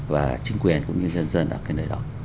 và chính quyền cũng như dân dân ở cái nơi đó